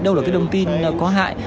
đâu là cái thông tin có hại